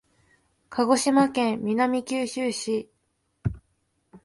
鹿児島県南九州市